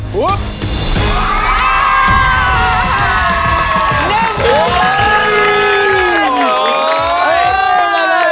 ๑หมื่น